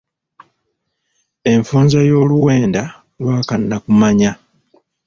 Enfunza y'oluwenda lwa kkanakumanya.